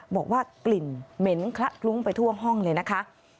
บอกว่ากลิ่นเหม็นคละคลุ้งไปทั่วห้องเลยนะคะ